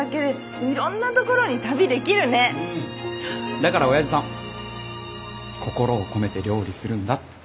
だからおやじさん「心を込めて料理するんだ」って。